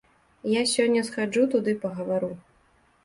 Я сёння схаджу туды пагавару.